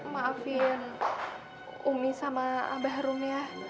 maafin umi sama abah harum ya